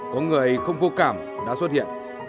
có người không vô cảm đã xuất hiện